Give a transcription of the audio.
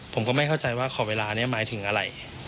ผมก็ไม่เข้าใจว่าขอเวลานี้หมายถึงอะไร